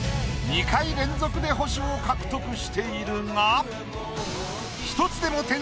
２回連続で星を獲得しているが。